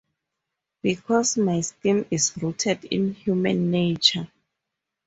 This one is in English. Because my scheme is rooted in human nature.